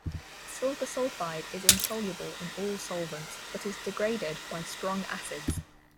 Silver sulfide is insoluble in all solvents, but is degraded by strong acids.